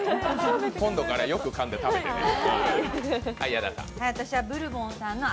今度からよくかんで食べてね。